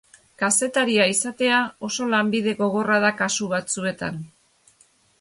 Kazetaria izatea oso lanbide gogorra da kasu batzuetan.